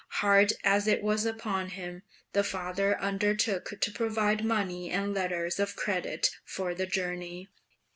Hard as it was upon him, the father undertook to provide money and letters of credit for the journey.